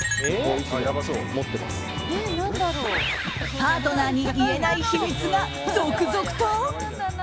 パートナーに言えない秘密が続々と？